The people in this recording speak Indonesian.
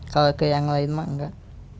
kalau ada yang lain mah enggak